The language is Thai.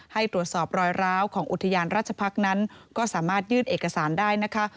ให้ตรวจสอบรอยร้าวของอุทยานราชพักษ์นั้นก็สามารถยื่นเอกสารได้นะคะ